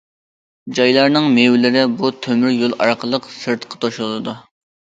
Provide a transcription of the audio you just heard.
جايلارنىڭ مېۋىلىرى بۇ تۆمۈر يول ئارقىلىق سىرتقا توشۇلىدۇ.